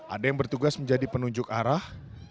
ada yang bertugas menjadi penunjuk arah